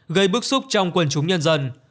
gây bức xúc trong quân chúng nhân dân